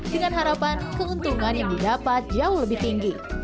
selain itu mereka juga mengaku keuntungan yang diberikan jauh lebih tinggi